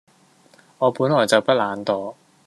我本來就不懶惰